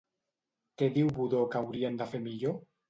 Què diu Budó que haurien de fer millor?